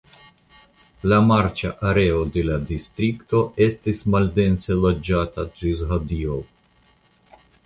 La marĉa areo de la distrikto estis maldense loĝata ĝis hodiaŭ.